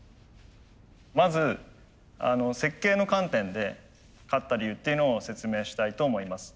まず設計の観点で勝った理由っていうのを説明したいと思います。